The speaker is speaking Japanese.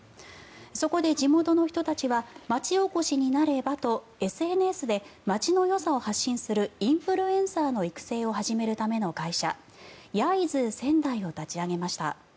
そこで、地元の人たちは町おこしになればとＳＮＳで町のよさを発信するインフルエンサーの育成をするための会社ＹＡＩＺＯＯ仙台を立ち上げました。